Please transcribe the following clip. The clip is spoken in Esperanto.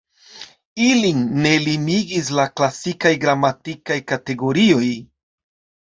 Ilin ne limigis la klasikaj gramatikaj kategorioj.